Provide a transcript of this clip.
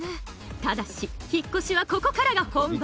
ただし引っ越しはここからが本番。